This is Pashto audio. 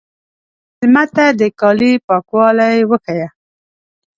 مېلمه ته د کالي پاکوالی وښیه.